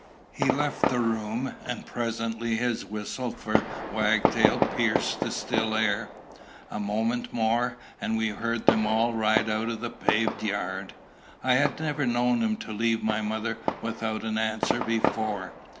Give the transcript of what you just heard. He left the room, and presently his whistle for Wagtail pierced the still air. A moment more, and we heard them all ride out of the paved yard. I had never known him leave my mother without an answer before.